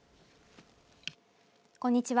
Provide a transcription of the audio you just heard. こんにちは。